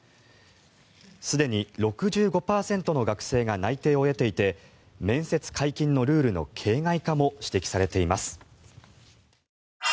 すでに６５％の学生が内定を得ていて面接解禁のルールの形骸化も指摘されています。